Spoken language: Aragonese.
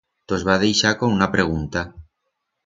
Tos va deixar con una pregunta.